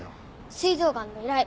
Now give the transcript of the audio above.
膵臓がんの依頼。